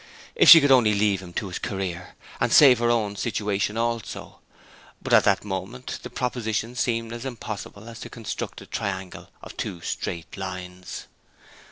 If she could only leave him to his career, and save her own situation also! But at that moment the proposition seemed as impossible as to construct a triangle of two straight lines.